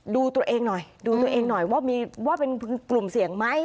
ดูตัวเองหน่อยว่าเป็นกลุ่มเสี่ยงไหม